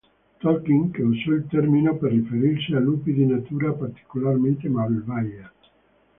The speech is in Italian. Tolkien, che usò il termine per riferirsi a lupi di natura particolarmente malvagia.